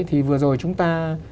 thì vừa rồi chúng ta